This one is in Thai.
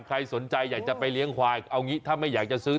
ใครสนใจอยากจะไปเลี้ยงควายเอางี้ถ้าไม่อยากจะซื้อ